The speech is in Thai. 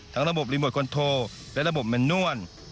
ระบบรีโมทคอนโทและระบบเมนนวล